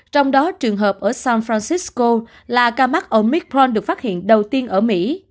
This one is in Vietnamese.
trong đó trường hợp ở san francisco là ca mắc omicron được phát hiện đầu tiên ở mỹ